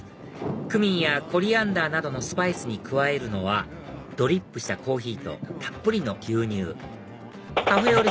クミンやコリアンダーなどのスパイスに加えるのはドリップしたコーヒーとたっぷりの牛乳カフェオレ